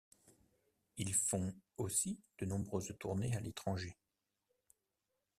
Ils font aussi de nombreuses tournées à l'étranger.